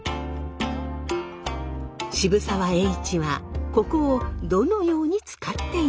渋沢栄一はここをどのように使っていたのか。